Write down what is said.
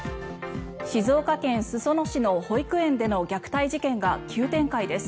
静岡県裾野市の保育園での虐待事件が急展開です。